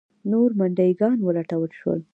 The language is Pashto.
نور منډیي ګان ولټول شول.